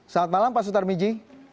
selamat malam pak sutar miji